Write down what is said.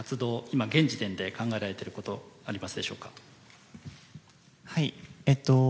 今現時点で考えられていることはありますでしょうか？